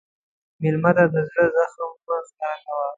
مېلمه ته د زړه زخم مه ښکاره کوه.